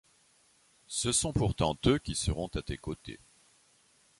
Ce sont pourtant eux qui seront à tes côtés.